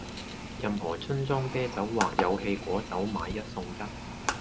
任何樽裝啤酒或有氣果酒買一送一